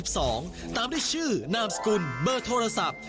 ส่วนเบอร์โทรศัพท์